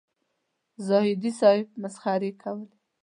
زاهدي صاحب مسخرې کولې.